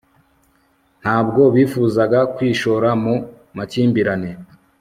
ntabwo bifuzaga kwishora mu makimbirane